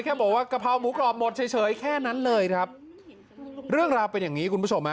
แค่บอกว่ากะเพราหมูกรอบหมดเฉยแค่นั้นเลยครับเรื่องราวเป็นอย่างงี้